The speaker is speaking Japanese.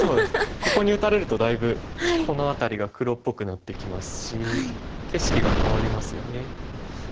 ここに打たれるとだいぶこの辺りが黒っぽくなってきますし景色が変わりますよね。